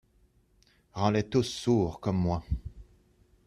Rends-les tous sourds comme moi.